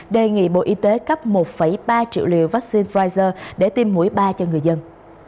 đề nghị bộ y tế cấp một ba triệu liều vaccine pfizer để tiêm mũi ba cho người dân